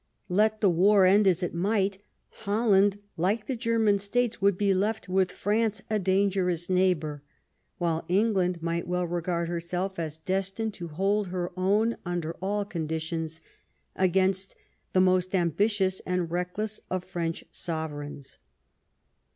Let the war end as it might, Holland, like the German states, would be left with France a dangerous neighbor, while England might well regard herself as destined to hold her own under all conditions against the most ambitious and reckless of French sovereigns.